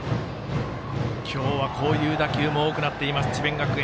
今日はこういう打球も多くなっています智弁学園。